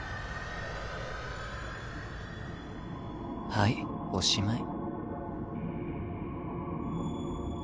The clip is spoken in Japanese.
はいおしまい。